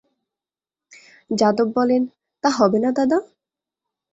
যাদব বলেন, তা হবে না দাদা?